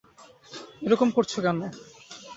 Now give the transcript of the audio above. এরকম করছ কেন?